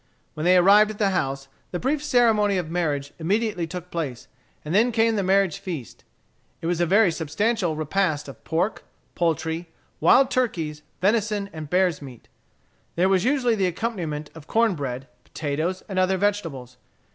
When they arrived at the house, the brief ceremony of marriage immediately took place, and then came the marriage feast. It was a very substantial repast of pork, poultry, wild turkeys, venison, and bear's meat. There was usually the accompaniment of corn bread, potatoes, and other vegetables.